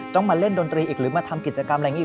ต้องมาเล่นดนตรีอีกหรือมาทำกิจกรรมอะไรอย่างนี้